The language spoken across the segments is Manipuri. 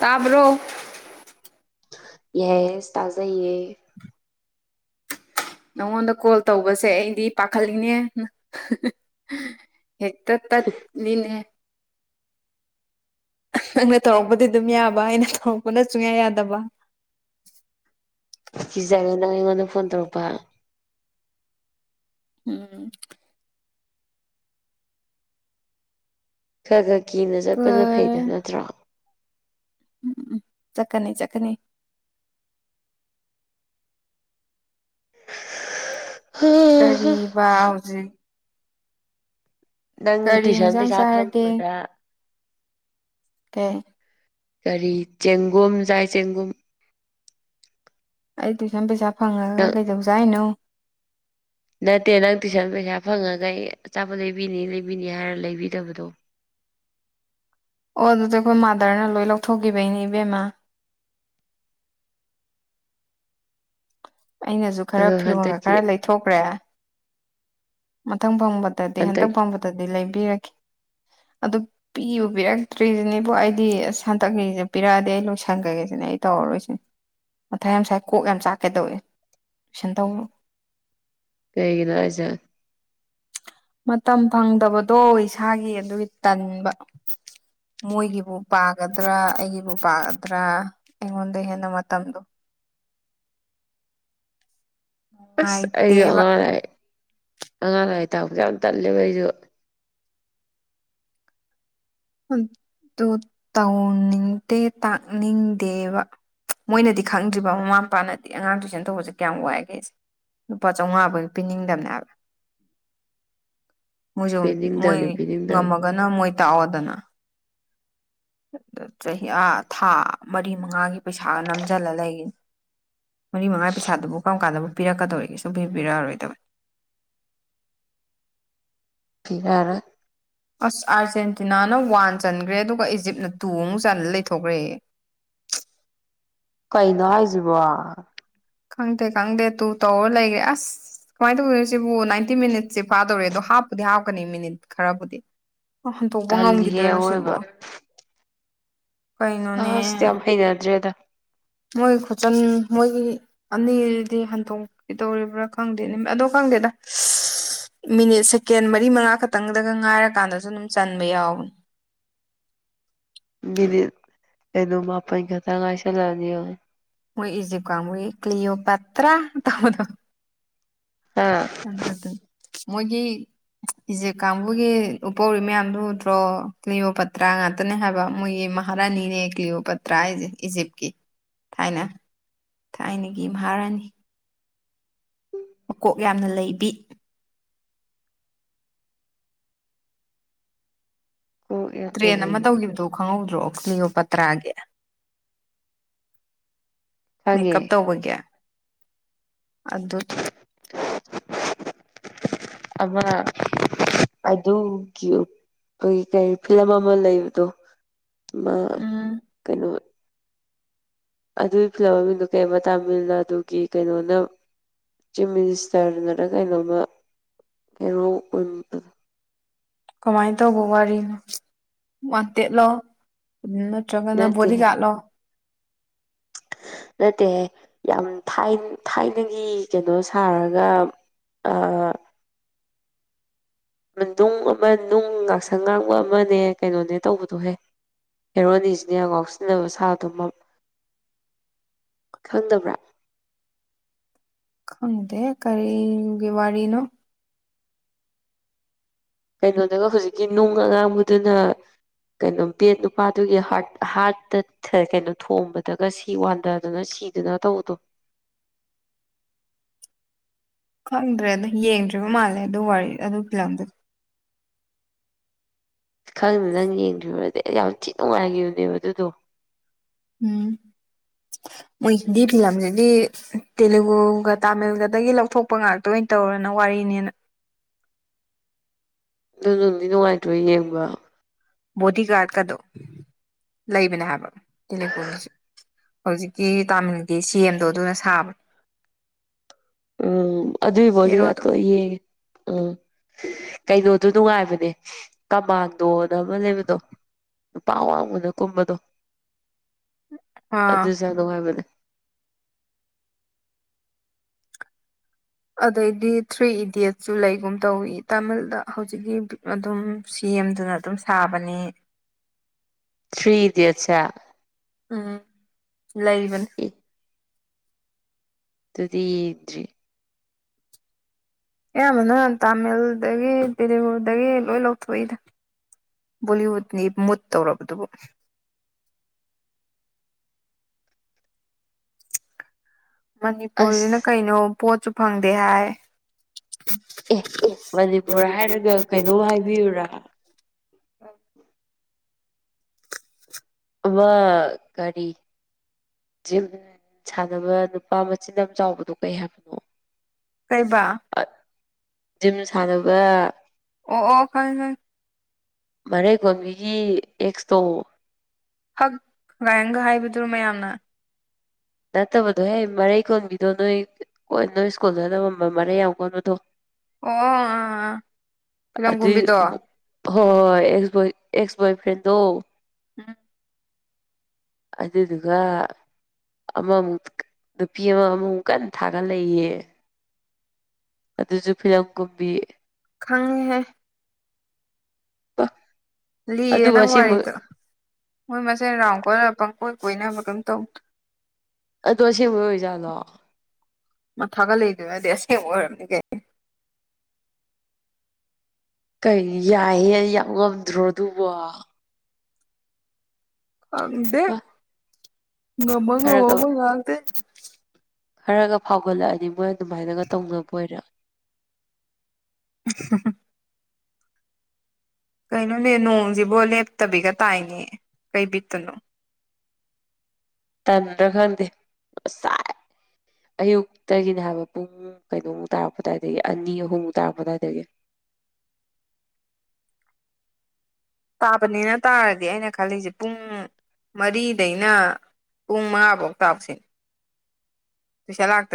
ꯇꯥꯕ꯭ꯔꯣ ꯌꯦꯁ ꯇꯥꯖꯩꯌꯦ ꯅꯉꯣꯟꯗ ꯀꯣꯜ ꯇꯧꯕꯁꯦ ꯑꯩꯗꯤ ꯄꯥꯈꯠꯂꯤꯅꯦ ꯍꯦꯛꯇ ꯇꯠ ꯂꯤꯅꯦ ꯅꯪꯅ ꯇꯧꯔꯛꯄꯗꯤ ꯑꯗꯨꯝ ꯌꯥꯕ ꯑꯩꯅ ꯇꯧꯔꯛꯄꯅ ꯁꯨꯡꯌꯥ ꯌꯥꯗꯕ [unintelligible] ꯀꯤꯖꯩꯔꯣ ꯅꯪ ꯑꯩꯉꯣꯟꯗ ꯐꯣꯟ ꯇꯧꯔꯛꯄ ꯎꯝ ꯈ ꯈꯔ ꯀꯤꯅ ꯆꯠꯄꯅ ꯐꯩꯗ ꯅꯠꯇ꯭ꯔꯣ ꯎꯝ ꯆꯠꯀꯅꯤ ꯆꯠꯀꯅꯤ ꯀꯔꯤꯕꯥ ꯍꯧꯖꯤꯛ ꯅꯪ ꯀꯔꯤ ꯇꯨꯏꯁꯟ ꯌꯦꯟꯁꯥꯡ ꯄꯩꯁꯥ ꯆꯥꯔꯒꯦ ꯐꯪꯕꯗ ꯀꯩ ꯀꯔꯤ ꯆꯦꯡꯒꯨꯝ ꯆꯥꯏ ꯆꯦꯡꯒꯨꯝ ꯑꯩ ꯇꯨꯏꯁꯟ ꯄꯩꯁꯥ ꯐꯪꯉꯒ ꯅꯪ ꯀꯩꯗꯧꯖꯦ ꯍꯥꯏꯅꯣ ꯅꯠꯇꯦ ꯅꯪ ꯇꯨꯏꯁꯟ ꯄꯩꯁꯥ ꯐꯪꯉꯒ ꯑꯩ ꯑꯆꯥꯄꯣꯠ ꯂꯩꯕꯤꯅꯤ ꯂꯩꯕꯤꯅꯤ ꯍꯥꯏꯔ ꯂꯩꯕꯤꯗꯕꯗꯣ ꯑꯣ ꯑꯗꯨꯗꯤ ꯑꯩꯈꯣꯏ ꯃꯥꯗꯔꯅ ꯂꯣꯏ ꯂꯧꯊꯣꯛꯈꯤꯕꯩꯅꯦ ꯏꯕꯦꯝꯃ ꯑꯩꯅꯁꯨ ꯈꯔ ꯑꯗꯣ ꯐꯤꯔꯣꯟꯒ ꯍꯟꯗꯛꯀꯤ ꯈꯔ ꯂꯩꯊꯣꯛꯈ꯭ꯔꯦ ꯃꯊꯪ ꯐꯪꯕꯗꯗꯤ ꯍꯟꯇꯛ ꯍꯟꯗꯛ ꯐꯪꯕꯗꯗꯤ ꯂꯩꯕꯤꯔꯒꯦ ꯑꯗꯨ ꯄꯤꯕꯨ ꯄꯤꯔꯛꯇ꯭ꯔꯤꯁꯤꯅꯦꯕꯨ ꯑꯩꯗꯤ ꯍꯟꯇꯛꯀꯤꯁꯦ ꯄꯤꯔꯛꯑꯗꯤ ꯑꯩ ꯂꯣꯏꯁꯟꯈ꯭ꯔꯒꯦꯁꯤꯅꯦ ꯑꯩ ꯇꯧꯔꯔꯣꯏꯁꯦ ꯃꯊꯥꯏ ꯌꯥꯝ ꯁꯥꯏ ꯀꯣꯛ ꯌꯥꯝ ꯆꯥꯛꯀꯦꯇꯧꯋꯦ ꯇꯨꯏꯁꯟꯇꯧꯅꯣ ꯀꯩꯒꯤꯅꯣ ꯍꯥꯏꯖꯦ ꯃꯇꯝ ꯐꯪꯗꯕꯗꯣ ꯏꯁꯥꯒꯤ ꯑꯗꯨꯒꯤ ꯇꯟꯕ ꯃꯣꯏꯒꯤꯕꯨ ꯄꯥꯒꯗ꯭ꯔꯥ ꯑꯩꯒꯤꯕꯨ ꯄꯥꯒꯗ꯭ꯔꯥ ꯑꯩꯉꯣꯟꯗ ꯍꯦꯟꯅ ꯃꯇꯝꯗꯣ [inaudible] ꯑꯁ ꯑꯩꯁꯨ ꯅꯨꯡꯉꯥꯏꯇꯦꯕ ꯑꯉꯥꯡ ꯂꯥꯏ ꯑꯉꯥꯡ ꯂꯥꯏ ꯇꯥꯛꯕꯁ ꯌꯥꯝ ꯇꯜꯂꯦꯕ ꯑꯩꯁꯨ ꯑꯗꯨ ꯇꯧꯅꯤꯡꯗꯦ ꯇꯥꯛꯅꯤꯡꯗꯦꯕ ꯃꯣꯏꯅꯗꯤ ꯈꯪꯗ꯭ꯔꯤꯕ ꯃꯃꯥ ꯃꯄꯥꯅꯗꯤ ꯑꯉꯥꯡ ꯇꯨꯏꯁꯟ ꯇꯧꯕꯁꯦ ꯀꯌꯥꯝ ꯋꯥꯒꯦꯁꯦ ꯂꯨꯄꯥ ꯆꯥꯝꯃꯉꯥꯕꯨ ꯍꯦꯛ ꯄꯤꯅꯤꯡꯗꯕꯅꯦ ꯍꯥꯏꯕ ꯃꯣꯏꯁꯨꯨ ꯃꯣꯏ ꯄꯤꯅꯤꯡꯗꯕꯅꯤ ꯄꯤꯅꯤꯡꯗꯕꯅꯤ ꯉꯝꯃꯒꯅ ꯃꯣꯏ ꯇꯥꯛꯑꯣꯗꯅ ꯑꯥ ꯆꯍꯤ ꯑꯥ ꯊꯥ ꯃꯔꯤ ꯃꯉꯥꯒꯤ ꯄꯩꯁꯥꯒ ꯅꯝꯁꯤꯜꯂ ꯂꯩꯔꯤꯅꯦ ꯃꯔꯤ ꯃꯉꯥ ꯄꯩꯁꯥꯗꯨꯕꯨ ꯀꯔꯝ ꯀꯥꯟꯗꯕꯨ ꯄꯤꯔꯛꯀꯗꯧꯔꯤꯒꯦ ꯁꯨꯝ ꯄꯤ ꯄꯤꯔꯛꯑꯔꯣꯏꯗꯕꯅꯤ [inaudible] ꯄꯤꯔꯥꯔꯣꯏ ꯑꯁ ꯑꯥꯔꯖꯦꯟꯇꯤꯅꯥꯅ ꯋꯥꯟ ꯆꯟꯈ꯭ꯔꯦ ꯑꯗꯨꯒ ꯏꯖꯤꯞꯅ ꯇꯨ ꯑꯃꯨꯛ ꯆꯟ ꯂꯩꯊꯣꯛꯈ꯭ꯔꯦ [unintelligible] ꯀꯩꯅꯣ ꯍꯥꯏꯁꯤꯕꯣ ꯈꯪꯗꯦ ꯈꯪꯗꯦ ꯇꯨ ꯇꯧꯔ ꯂꯩꯈ꯭ꯔꯦ ꯑꯁ ꯀꯃꯥꯏꯅ ꯇꯧꯒꯣꯏꯅꯣ ꯁꯤꯕꯨ ꯅꯥꯏꯟꯇꯤ ꯃꯤꯅꯤꯠꯁꯦ ꯐꯥꯗꯧꯔꯦ ꯑꯗꯣ ꯍꯥꯞꯄꯨꯗꯤ ꯍꯥꯞꯀꯅꯤ ꯃꯤꯅꯤꯠ ꯈꯔꯕꯨꯗꯤ ꯍꯟꯗꯣꯛꯄ ꯇꯜꯂꯤꯍꯦ ꯉꯝꯈꯤꯗꯣꯏꯔꯣ ꯑꯋꯣꯏꯕ ꯁꯤꯕꯣ ꯑ ꯀꯩꯅꯣꯅꯦ ꯑꯁ ꯌꯥꯝ ꯍꯩꯅꯗ꯭ꯔꯦꯗ ꯃꯣꯏ ꯈꯨꯆꯟ ꯃꯣꯏꯒꯤ ꯑꯅꯤꯗꯤ ꯍꯟꯗꯣꯛꯀꯗꯧꯔꯤꯕ꯭ꯔꯥ ꯈꯪꯗꯦ ꯑꯗꯣ ꯈꯪ ꯈꯪꯗꯦꯗ ꯃꯤꯅꯤꯠ ꯁꯦꯀꯦꯟ ꯃꯔꯤ ꯃꯉꯥ ꯈꯛꯇꯪꯗꯒ ꯉꯥꯏꯔꯀꯥꯟꯗꯁꯨ ꯑꯗꯨꯝ ꯆꯟꯕ ꯌꯥꯎꯕꯅꯦ [unintelligible] ꯃꯤꯅꯤꯠ ꯀꯩꯅꯣ ꯃꯥꯄꯥꯜ ꯈꯇꯡ ꯉꯥꯏꯁꯤꯂꯛ ꯑꯅꯤ ꯌꯦꯡꯉꯣ ꯃꯣꯏ ꯏꯖꯤꯞ ꯀꯥꯡꯒꯨꯒꯤ ꯀ꯭ꯜꯤꯑꯣꯄꯠꯇ꯭ꯔ ꯇꯧꯕꯗꯣ ꯍꯥ ꯑꯗꯨ ꯑꯗꯨ ꯃꯣꯏꯒꯤ ꯏꯖꯤꯞ ꯀꯥꯡꯕꯨꯒꯤ ꯎꯄꯧꯔꯤ ꯃꯌꯥꯝꯗꯨ ꯎꯗ꯭ꯔꯣ ꯀ꯭ꯜꯤꯌꯣ ꯄꯇ꯭ꯔꯥ ꯉꯥꯛꯇꯅꯦ ꯍꯥꯏꯕ ꯃꯣꯏꯒꯤ ꯍꯔꯥꯅꯤꯅꯦ ꯀ꯭ꯂꯤꯑꯣ ꯄꯠꯇ꯭ꯔ ꯍꯥꯏꯖꯦ ꯏꯖꯤꯞꯇꯀꯤ ꯊꯥꯏꯅ ꯊꯥꯏꯅꯒꯤ ꯃꯍꯥꯔꯥꯅꯤ ꯃꯀꯣꯛ ꯌꯥꯝꯅ ꯂꯩꯕꯤ ꯀꯣꯛ ꯌꯥꯝꯅ ꯇ꯭ꯔꯦꯟ ꯑꯃ ꯂꯩꯕꯤ ꯇꯧꯈꯤꯕꯗꯣ ꯈꯪꯍꯧꯗ꯭ꯔꯣ ꯂꯤꯌꯣꯄꯠꯇ꯭ꯔꯥꯒꯤ ꯈꯪꯉꯦ ꯃꯦꯀꯞ ꯇꯧꯕꯒꯤ ꯑꯗꯨꯗꯣ ꯑꯃꯅꯥ ꯑꯗꯨꯒꯤ ꯀꯩ ꯀꯔꯤ ꯐꯤꯂꯝ ꯑꯃ ꯂꯩꯕꯗꯣ ꯑꯃ ꯎꯝ ꯀꯩꯅꯣ ꯑꯗꯨꯒꯤ ꯐꯤꯂꯝ ꯃꯃꯤꯡꯗꯣ ꯀꯩꯕ ꯇꯥꯃꯤꯜꯅꯥꯗꯨꯒꯤ ꯀꯩꯅꯣꯅ ꯆꯤꯞ ꯃꯤꯅꯤꯁꯇꯔ ꯅꯔ ꯀꯩꯅꯣꯝꯃ ꯍꯦꯔꯣ ꯀꯨꯝꯕꯗꯣ ꯀꯃꯥꯏꯅ ꯇꯧꯕ ꯋꯥꯔꯤꯅꯣ ꯋꯥꯟꯇꯦꯠꯂꯣ ꯎꯝ ꯅꯠꯇ꯭ꯔꯒꯅ ꯅꯠꯇꯦꯍꯦ ꯕꯣꯗꯤꯒꯥꯔꯠꯂꯣ ꯅꯠꯇꯦꯍꯦ ꯌꯥꯝ ꯊꯥꯢꯟ ꯊꯥꯏꯅꯒꯤ ꯀꯩꯅꯣ ꯁꯥꯔꯒ ꯑꯥ ꯅꯨꯡ ꯑꯃ ꯅꯨꯡ ꯉꯥꯛꯁꯪ ꯉꯥꯡꯕ ꯑꯃꯅꯦ ꯀꯩꯅꯣꯅꯦ ꯇꯧꯕꯗꯣꯍꯦ ꯍꯦꯔꯣꯅꯤꯁꯤꯅ ꯌꯥꯝ ꯉꯥꯎꯁꯤꯟꯅꯕ ꯁꯥꯕꯗꯣ ꯃ ꯈꯪꯗꯕ꯭ꯔꯥ ꯈꯪꯗꯦ ꯀꯔꯤ ꯅꯨꯡꯒꯤ ꯋꯥꯔꯤꯅꯣ ꯀꯩꯅꯣꯗꯒ ꯍꯨꯖꯤꯛꯀꯤ ꯅꯨꯡ ꯑꯉꯥꯡꯕꯗꯨꯅ ꯀꯩꯅꯣ ꯕꯦꯠ ꯅꯨꯄꯥꯗꯨꯒꯤ ꯍꯥꯔꯠ ꯍꯥꯔꯠꯇ ꯊ ꯀꯩꯅꯣ ꯊꯣꯝꯕꯗꯒ ꯁꯤ ꯋꯥꯟꯗꯗꯅ ꯁꯤ ꯁꯤꯗꯅ ꯇꯧꯕꯗꯣ [inaudible] ꯈꯪꯗ꯭ꯔꯦꯗ ꯌꯦꯡꯗ꯭ꯔꯤꯕ ꯃꯥꯜꯂꯦ ꯑꯗꯨ ꯋꯥꯔꯤ ꯑꯗꯨ ꯐꯤꯂꯝꯗꯨ ꯈꯪꯗꯦ ꯅꯪ ꯌꯦꯡꯗ꯭ꯔꯤꯕꯔꯗꯤ ꯑꯩ ꯌꯥꯝ ꯊꯤ ꯅꯨꯡꯉꯥꯏꯒꯤꯕꯅꯦꯕ ꯑꯗꯨꯗꯣ ꯎꯝ ꯃꯣꯏ ꯍꯤꯟꯗꯤ ꯐꯤꯂꯝꯖꯤꯗꯤ ꯇꯦꯂꯨꯒꯨꯒ ꯇꯥꯃꯤꯜꯒꯗꯒꯤ ꯂꯧꯊꯣꯛꯄ ꯉꯥꯛꯇ ꯑꯣꯏꯟ ꯇꯧꯔꯅ ꯋꯥꯔꯤ ꯅꯦꯅ ꯑꯗꯨ ꯅꯨꯡꯗꯤ ꯅꯨꯡꯉꯥꯏꯇ꯭ꯔꯣ ꯌꯦꯡꯕ ꯕꯣꯗꯤꯒꯥꯔꯗ ꯀꯥꯗꯣ ꯂꯩꯕꯅꯦ ꯍꯥꯏꯕ ꯇꯦꯂꯨꯒꯨꯒꯤꯁꯨ ꯍꯧꯖꯤꯛꯀꯤ ꯇꯥꯃꯤꯜꯒꯤ ꯁꯤ ꯑꯦꯝ ꯗꯣ ꯑꯗꯨꯅ ꯁꯥꯕꯅꯦ ꯎꯝ ꯑꯗꯨꯢ ꯍꯦꯔꯣꯗꯣ ꯕꯤꯗꯤꯒꯥꯔꯠꯇꯣ ꯑꯩ ꯌꯦꯡꯉꯦ ꯎꯝ ꯀꯩꯅꯣꯗꯨ ꯅꯨꯡꯉꯥꯏꯕꯅꯦ ꯀꯃꯥꯟꯗꯣꯅ ꯑꯃ ꯂꯩꯕꯗꯣ ꯅꯨꯄꯥ ꯑꯋꯥꯡꯕꯅ ꯀꯨꯝꯕꯗꯣ ꯑꯥ ꯑꯗꯨꯖꯨ ꯌꯥꯝ ꯅꯨꯡꯉꯥꯏꯕꯅꯦ ꯑꯗꯩꯗꯤ ꯊ꯭ꯔꯤ ꯏꯗꯤꯌꯠꯁꯁꯨ ꯂꯩꯒꯨꯝ ꯇꯧꯋꯤ ꯇꯥꯃꯤꯜꯗ ꯍꯧꯖꯤꯛꯀꯤ ꯑꯗꯨꯝ ꯁꯤ ꯑꯦꯝꯗꯨꯅ ꯑꯗꯨꯝ ꯁꯥꯕꯅꯤ ꯊ꯭ꯔꯤ ꯏꯗꯤꯌꯠꯁ ꯁꯦ ꯎꯝ ꯂꯩꯕꯅꯤ ꯏ ꯑꯗꯨꯗꯤ ꯌꯦꯡꯗ꯭ꯔꯤ ꯑꯌꯥꯝꯕꯅ ꯇꯥꯃꯤꯜꯗꯒꯤ ꯇꯦꯂꯨꯒꯨꯗꯒꯤ ꯂꯣꯏ ꯂꯧꯊꯣꯛꯏꯗ ꯕꯣꯂꯤꯋꯨꯠꯅꯦꯌꯦ ꯃꯨꯠꯇꯧꯔꯕꯗꯨꯕꯨ ꯃꯅꯤꯄꯨꯔꯖꯤꯅ ꯑꯁ ꯀꯩꯅꯣ ꯚꯣꯠꯁꯨ ꯐꯪꯗꯦ ꯍꯥꯏ ꯑꯦ ꯃꯅꯤꯄꯨꯔ ꯍꯥꯏꯔꯒ ꯀꯩꯅꯣꯝ ꯍꯥꯏꯕꯤꯌꯨꯔꯥ [unintelligible] [inaudible] ꯑꯃ ꯀꯔꯤ ꯖꯤꯝ ꯁꯥꯟꯅꯕ ꯅꯨꯄꯥ ꯃꯆꯤꯟ ꯌꯥꯝ ꯆꯥꯎꯕꯗꯣ ꯀꯩ ꯍꯥꯏꯕꯅꯣ ꯀꯩꯕꯥ ꯖꯤꯝ ꯁꯥꯟꯅꯕ ꯑꯣ ꯑꯣ ꯈꯪꯉꯦ ꯈꯪꯉꯦ ꯃꯔꯩ ꯀꯣꯟꯕꯤꯒꯤ ꯑꯦꯛꯁꯇꯣ ꯍꯛ ꯒꯥꯏꯅꯒ ꯍꯥꯏꯕꯗꯨꯔꯣ ꯃꯌꯥꯝꯅ ꯅꯠꯇꯕꯗꯣꯍꯦ ꯃꯔꯩ ꯀꯣꯟꯕꯤꯗꯣ ꯅꯣꯏ ꯀꯣ ꯅꯣꯏ ꯁ꯭ꯀꯨꯜꯗ ꯇꯝꯃꯝꯕ ꯃꯔꯩ ꯌꯥꯝ ꯀꯣꯟꯕꯗꯣ ꯑꯣ ꯑꯥ ꯑꯥ ꯐꯤꯂꯝ ꯀꯨꯝꯕꯤꯗꯣ ꯍꯣꯢ ꯍꯣꯢ ꯑꯦꯛꯁ ꯕꯣꯢ ꯑꯦꯛꯁ ꯕꯣꯢꯐ꯭ꯔꯦꯟꯗꯣ ꯎꯝ ꯑꯗꯨꯗꯨꯒꯥ ꯑꯃꯃꯨꯛ ꯅꯨꯄꯤ ꯑꯃ ꯑꯃꯨꯃꯨꯛ ꯀꯟ ꯊꯥꯒꯠꯂꯛꯏꯌꯦ ꯑꯗꯨꯖꯨ ꯐꯤꯂꯝ ꯀꯨꯝꯕꯤ ꯈꯪꯉꯤꯍꯦ ꯑ ꯂꯤꯔꯦ ꯅꯪ ꯋꯥꯔꯤꯗꯣ ꯃꯣꯏ ꯃꯁꯦꯟ ꯔꯥꯎꯟ ꯀꯣꯢꯅꯔ ꯄꯪ ꯀꯣꯢ ꯀꯣꯏꯅꯕ ꯀꯩꯝ ꯇꯧ ꯑꯗꯣ ꯑꯁꯦꯡꯕꯩ ꯑꯣꯏꯖꯥꯠꯂꯣ ꯃꯥ ꯊꯥꯒꯠꯂꯛꯏꯗꯨꯅꯗꯤ ꯑꯁꯦꯡꯕ ꯑꯣꯏꯔꯝꯅꯤ ꯀꯩꯅꯣ ꯀꯩ ꯌꯥꯏꯍꯦ ꯌꯥꯝ ꯉꯝꯗ꯭ꯔꯣ ꯑꯗꯨꯕꯣ ꯈꯪꯗꯦ ꯃꯥ ꯉꯝꯃ ꯈꯔꯒ ꯉꯝꯃꯕ ꯉꯥꯛꯇꯅꯤ ꯈꯔꯒ ꯐꯥꯎꯒꯠꯂꯛꯑꯅꯤ ꯃꯣꯏ ꯑꯗꯨꯃꯥꯏꯅꯒ ꯇꯧꯅꯕꯣꯏꯔꯦ [unintelligible] ꯀꯩꯅꯣꯅꯦ ꯅꯣꯡꯁꯤꯕꯣ ꯂꯦꯞꯇꯕꯤꯒ ꯇꯥꯏꯅꯦ ꯀꯩ ꯕꯤꯠꯇꯅꯣ ꯇꯟꯗ꯭ꯔꯥ ꯈꯪꯗꯦ ꯉꯁꯥꯏ ꯑꯌꯨꯛꯇꯒꯤꯅꯦ ꯍꯥꯏꯕ ꯄꯨꯡ ꯀꯩꯅꯣꯃꯨꯛ ꯇꯥꯔꯛꯄ ꯑꯗꯨꯋꯥꯏꯗꯒꯤ ꯑꯅꯤ ꯑꯍꯨꯝꯃꯨꯛ ꯇꯥꯔꯛꯄ ꯑꯗꯨꯋꯥꯏꯗꯒꯤ [inaudible] ꯇꯥꯕꯅꯦꯅ ꯇꯥꯔꯗꯤ ꯑꯩꯅ ꯈꯜꯂꯤꯁꯦ ꯄꯨꯡ ꯃꯔꯤꯗꯩꯅ ꯄꯨꯡ ꯃꯉꯥꯕꯧ ꯇꯥꯎ ꯁꯤꯅꯤ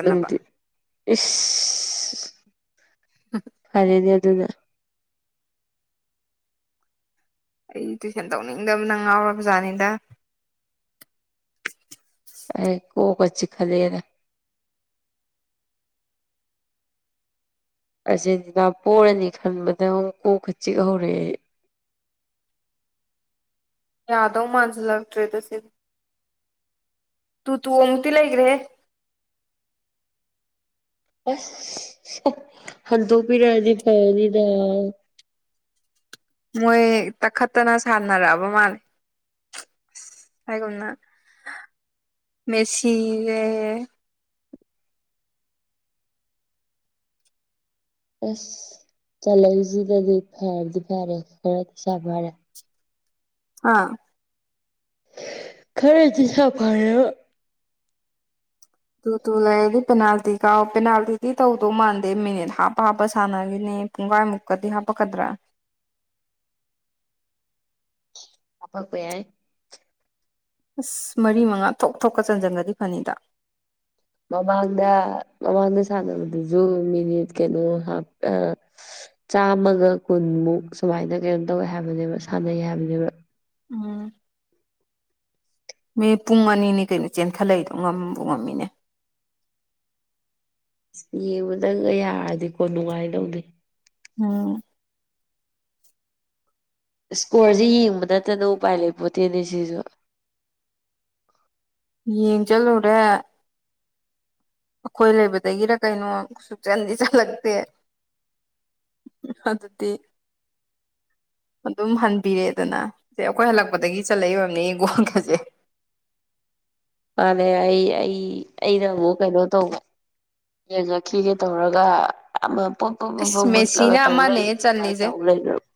ꯅꯨꯡꯗꯤ ꯏꯁ ꯐꯔꯦꯅꯦ ꯑꯗꯨꯅ ꯑꯩ ꯇꯨꯏꯁꯟ ꯇꯧꯅꯤꯡꯗꯕꯅ ꯉꯥꯎꯔꯕ ꯖꯥꯠꯅꯤꯗ ꯑꯩ ꯀꯣꯛꯀ ꯆꯤꯛꯈꯠꯂꯛꯑꯦꯗ ꯑꯥꯔꯖꯦꯟꯇꯤꯅꯥ ꯄꯣꯔꯅꯤ ꯈꯟꯕꯗ ꯑꯃꯨꯛ ꯀꯣꯛꯀ ꯆꯤꯛ ꯍꯧꯔꯛꯑꯦ ꯌꯥꯗꯧ ꯃꯥꯟꯖꯤꯜꯂꯛꯇ꯭ꯔꯦꯗ ꯁꯤꯗꯤ ꯇꯨ ꯇꯨ ꯑꯃꯨꯛꯇꯤ ꯂꯩꯈ꯭ꯔꯦꯍꯦ ꯑꯁ [unintelligible] ꯍꯟꯗꯣꯛꯄꯤꯔꯛꯑꯗꯤ ꯐꯅꯤꯗ [inaudible] ꯃꯣꯏ ꯇꯛꯈꯠꯇꯅ ꯁꯥꯟꯅꯔꯛꯑꯕ ꯃꯥꯜꯂꯤ ꯍꯥꯏꯒꯨꯝꯅ ꯃꯦꯁꯤ ꯅꯦ ꯑꯁ ꯆꯜꯂꯛꯏꯁꯤꯗꯗꯤ ꯐꯔꯗꯤ ꯐꯔꯦ ꯈꯔꯗꯤ ꯁꯥꯥ ꯐꯔꯦ ꯍꯥ ꯈꯔꯗꯤ ꯁꯥꯐꯔꯦꯕ ꯇꯨ ꯇꯨ ꯂꯩꯔꯗꯤ ꯄꯦꯅꯥꯜꯇꯤ ꯀꯥꯎ ꯄꯦꯅꯥꯜꯇꯤꯗꯤ ꯇꯧꯗꯧ ꯃꯥꯟꯗꯦ ꯃꯤꯅꯤꯠ ꯍꯥꯞ ꯍꯥꯞꯄ ꯁꯥꯟꯅꯒꯤꯅꯤ ꯃꯤꯅꯤꯠ ꯄꯨꯡꯒꯥꯏ ꯃꯨꯛꯀꯥꯗꯤ ꯍꯥꯄꯛꯀꯗ꯭ꯔꯥ ꯍꯥꯄꯛꯄ ꯌꯥꯏ ꯑꯁ ꯃꯔꯤ ꯃꯉꯥ ꯊꯣꯛ ꯊꯣꯛꯀ ꯆꯟꯖꯟꯒ꯭ꯔꯗꯤ ꯐꯅꯤꯗ ꯃꯃꯥꯡꯗ ꯃꯃꯥꯡꯗ ꯁꯥꯟꯅꯕꯗꯨꯁꯨ ꯃꯤꯅꯤꯠ ꯀꯩꯅꯣ ꯍꯥꯞ ꯑ ꯆꯥꯝꯃꯒ ꯀꯨꯟꯃꯨꯛ ꯁꯨꯃꯥꯏꯅ ꯀꯩꯅꯣ ꯇꯧꯋꯦ ꯍꯥꯏꯕꯅꯦꯕ ꯁꯥꯟꯅꯩ ꯍꯥꯏꯕꯅꯦꯕ ꯎꯝ ꯃꯤ ꯄꯨꯡ ꯑꯅꯤꯅꯤ ꯀꯩꯅꯣ ꯆꯦꯟꯈꯠꯂꯛꯏꯗꯣ ꯉꯝꯕꯨ ꯉꯝꯃꯤꯅꯦ ꯑꯁ ꯌꯦꯡꯕ ꯗꯪꯒ ꯌꯥꯔꯗꯤꯀꯣ ꯅꯨꯡꯉꯥꯏꯗꯧꯅꯤ ꯑꯥ ꯏꯁꯀꯣꯔꯁꯦ ꯌꯦꯡꯕ ꯅꯠꯇꯅ ꯎꯄꯥꯏ ꯂꯩ ꯄꯣꯠꯇꯦꯅꯦ ꯁꯤꯁꯨ ꯌꯦꯡ ꯆꯠꯂꯨꯔꯦ ꯑꯈꯣꯏ ꯂꯩꯕꯗꯒꯤꯔ ꯀꯩꯅꯣ ꯁꯨꯛꯆꯟꯗꯤ ꯆꯜꯂꯛꯇꯦ ꯑꯗꯨꯗꯤ ꯑꯗꯨꯝ ꯍꯟꯕꯤꯔꯦꯗꯅ ꯏꯦ ꯑꯩꯈꯣꯏ ꯍꯜꯂꯛꯄꯗꯒꯤ ꯆꯠꯂꯛꯏ ꯑꯣꯏꯔꯝꯅꯤꯌꯦ ꯒꯣꯜꯒꯁꯦ [inaudible] ꯃꯥꯅꯦ ꯑꯩ ꯑꯩ ꯑꯩꯅ ꯑꯃꯨꯛ ꯀꯩꯅꯣ ꯇꯧꯕ ꯌꯦꯡꯉꯛꯈꯤꯒꯦ ꯇꯧꯔꯒ ꯑꯝꯃ ꯄꯣ ꯄꯣ ꯄꯣ ꯄꯣ ꯑꯁ ꯃꯨꯠꯂꯒ ꯃꯦꯁꯤꯅ ꯇꯧ ꯑꯃꯅꯦ ꯂꯩꯕꯤꯗꯣ ꯑꯗꯨꯃꯥꯥꯏ ꯆꯜꯂꯤꯁꯦ ꯇꯧ ꯂꯩꯒ꯭ꯔꯕ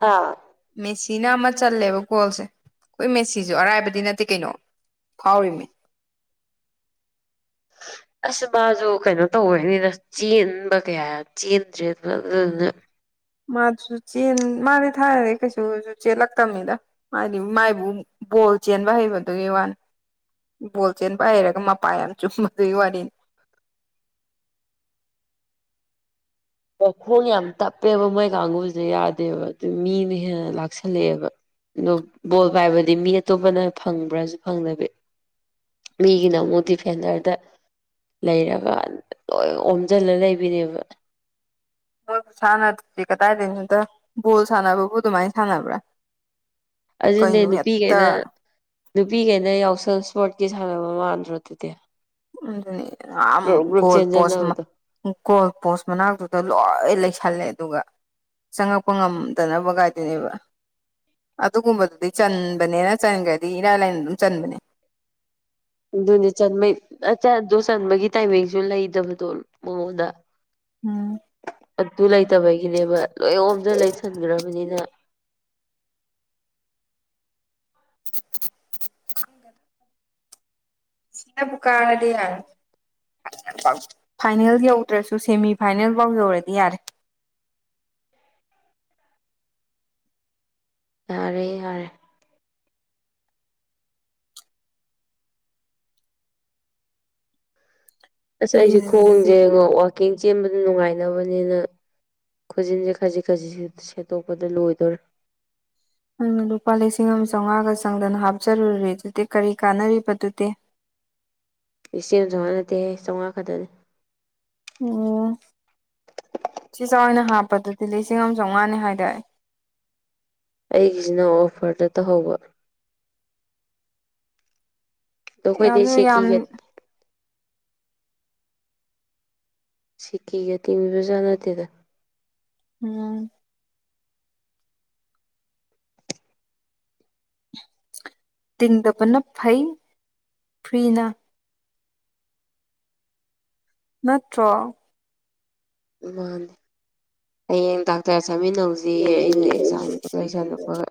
ꯍꯥꯥ ꯃꯦꯁꯤꯅ ꯑꯃ ꯆꯜꯂꯦꯕ ꯒꯣꯜꯁꯦ ꯑꯈꯣꯏ ꯃꯦꯁꯤꯖꯨ ꯑꯔꯥꯏꯕꯗꯤ ꯅꯠꯇꯦ ꯀꯩꯅꯣ ꯐꯥꯎꯔꯤꯃꯤ ꯑꯁ ꯃꯥꯖꯨ ꯀꯩꯅꯣ ꯇꯧꯕꯩꯅꯤꯗ ꯆꯦꯟꯕ ꯀꯌꯥ ꯆꯦꯟꯗ꯭ꯔꯦꯗꯅ ꯑꯗꯨꯗꯨꯅ ꯃꯥꯖꯨ ꯆꯦꯟ ꯃꯥꯗꯤ ꯊꯥꯏꯅꯗꯩ ꯀꯩꯁꯨꯖꯨ ꯆꯦꯜꯂꯛꯇꯝꯅꯤꯗ ꯃꯥꯗꯤ ꯃꯥꯏꯕꯨ ꯕꯣꯜ ꯆꯦꯟꯕ ꯍꯩꯕꯗꯨꯒꯤ ꯋꯥꯅꯤ ꯕꯣꯜ ꯆꯦꯟꯕ ꯍꯩꯔꯒ ꯃꯄꯥ ꯌꯥꯝ ꯆꯨꯝꯕꯗꯨꯒꯤ ꯋꯥꯔꯤꯅꯤ [inaudible] ꯋꯥꯈꯣꯡ ꯌꯥꯝ ꯇꯞꯄꯦꯕ ꯃꯣꯏ ꯀꯥꯡꯒꯨꯖꯦ ꯌꯥꯗꯦꯕ ꯑꯗꯨ ꯃꯤꯅ ꯍꯦꯟꯅ ꯂꯥꯛꯁꯤꯜꯂꯛꯑꯦꯕ ꯗꯨ ꯕꯣꯜ ꯄꯥꯏꯕꯗꯤ ꯃꯤ ꯑꯇꯣꯞꯄꯅ ꯐꯪꯕ꯭ꯔꯥꯖꯨ ꯐꯪꯗꯕꯤ ꯃꯤꯒꯤꯅ ꯑꯃꯨꯛ ꯗꯤꯐꯦꯟꯗꯔꯗ ꯂꯩꯔꯒ ꯂꯣꯏ ꯑꯣꯝꯖꯜꯂ ꯂꯩꯕꯤꯅꯦꯕ ꯃꯣꯏ ꯈꯨꯁꯥꯟꯅꯗꯨꯗꯤ ꯀꯗꯥꯏꯗꯩꯅꯣꯗ ꯕꯣꯜ ꯁꯥꯟꯅꯕꯕꯨ ꯑꯗꯨꯃꯥꯏꯟ ꯁꯥꯟꯅꯕ꯭ꯔꯥ ꯑꯖꯨꯅꯦ ꯀꯩꯅꯣ ꯍꯦꯛꯇ ꯅꯨꯄꯤꯒꯩꯅ ꯅꯨꯄꯤꯒꯩꯅ ꯌꯥꯎꯁꯪ ꯁ꯭ꯄꯣꯔꯠꯀꯤ ꯁꯥꯟꯅꯕ ꯃꯥꯟꯗ꯭ꯔꯣ ꯑꯗꯨꯗꯤ ꯃꯗꯨꯅꯦ ꯌꯥꯝ ꯒ꯭ꯔꯨꯞ ꯒ꯭ꯔꯨꯞ ꯒꯣꯜ ꯄꯣꯁ ꯃ ꯆꯦꯟꯖꯟꯅꯕꯗꯣ ꯒꯣꯜ ꯄꯣꯁ ꯃꯅꯥꯛꯇꯨꯗ ꯂꯣꯏ ꯂꯩꯁꯜꯂꯦ ꯑꯗꯨꯒ ꯆꯪꯉꯛꯄ ꯉꯝꯗꯅꯕ ꯒꯥꯥꯏꯗꯨꯅꯦꯕ ꯑꯗꯨꯒꯨꯝꯕꯗꯨꯗꯤ ꯆꯟꯕꯅꯦꯅ ꯆꯟꯒ꯭ꯔꯗꯤ ꯏꯔꯥꯏ ꯂꯥꯏꯅ ꯑꯗꯨꯝ ꯆꯟꯕꯅꯦ ꯑꯗꯨꯅꯦ ꯆꯟꯕꯩ ꯑꯆ ꯑꯗꯨ ꯆꯟꯕꯒꯤ ꯇꯥꯏꯃꯤꯡꯖꯨ ꯂꯩꯗꯕꯗꯣ ꯃꯉꯣꯟꯗ ꯎꯝ ꯑꯗꯨ ꯂꯩꯇꯕꯒꯤꯅꯦꯕ ꯂꯣꯏ ꯑꯣꯝꯖꯜ ꯂꯩꯁꯟꯒ꯭ꯔꯕꯅꯤꯅ [unintelligible] ꯃꯦꯁꯤꯅꯕꯨ ꯀꯥꯔꯗꯤ ꯌꯥꯔꯦ ꯐꯥꯏꯅꯦꯜ ꯌꯧꯗ꯭ꯔꯁꯨ ꯁꯦꯃꯤ ꯐꯥꯏꯅꯦꯜꯕꯥꯎ ꯌꯧꯔꯗꯤ ꯌꯥꯔꯦ ꯌꯥꯔꯦ ꯌꯥꯔꯦ ꯑꯁ ꯑꯩꯖꯨ ꯏꯖꯤ ꯈꯣꯡꯖꯦ ꯋꯥ ꯋꯥꯛꯀꯤꯡ ꯆꯦꯟꯕꯗ ꯅꯨꯡꯉꯥꯏꯅꯕꯅꯦꯅ ꯈꯨꯖꯤꯟꯖꯦ ꯈꯖꯤꯛ ꯈꯖꯤꯛꯁꯤ ꯁꯦꯠꯇꯣꯛꯄꯗ ꯂꯣꯏꯗꯧꯔꯦ ꯅꯪꯅ ꯂꯨꯄꯥ ꯂꯤꯁꯤꯡ ꯑꯝ ꯆꯧꯉꯥꯒ ꯆꯪꯗꯅ ꯍꯥꯞꯆꯜꯂꯨꯔꯤꯗꯨꯗꯤ ꯀꯔꯤ ꯀꯥꯟꯅꯔꯤꯕ ꯗꯨꯗꯤ [inaudible] ꯂꯤꯁꯡꯑꯝ ꯆꯧꯉꯥ ꯅꯠꯇꯦ ꯆꯧꯉꯥ ꯈꯛꯇꯅꯤ ꯑꯣ ꯢꯆꯦꯆꯥ ꯍꯣꯢꯅ ꯍꯥꯞꯄꯗꯨꯗꯤ ꯂꯤꯁꯤꯡ ꯑꯝ ꯆꯧꯉꯥꯅꯦ ꯍꯥꯏꯗꯥꯏ ꯑꯩꯒꯤꯖꯤꯅ ꯑꯣꯐꯔꯗ ꯇꯧꯍꯧꯕ ꯗꯣ ꯈꯣꯏꯗꯤ ꯑꯗꯨ ꯌꯥꯝ ꯁꯤꯀꯤꯒ ꯁꯤꯀꯤꯒꯤ ꯇꯤꯡꯕꯤꯕꯖꯥ ꯅꯠꯇꯦꯗ ꯎꯝ ꯇꯤꯡꯗꯕꯅ ꯐꯩ ꯐ꯭ꯔꯤꯅ ꯅꯠꯇ꯭ꯔꯣ ꯃꯥꯅꯤ ꯍꯌꯦꯡ ꯗꯥꯛꯇꯔ ꯆꯥꯃꯤꯟꯅꯧꯖꯦꯌꯦ ꯑꯩꯅ ꯑꯦꯛꯖꯥꯝ ꯂꯣꯏꯔꯦꯍꯦ ꯂꯩꯁꯜꯂꯛꯄꯒ